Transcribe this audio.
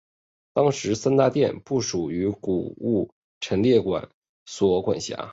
当时三大殿不属古物陈列所管辖。